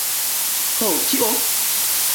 Ho kio?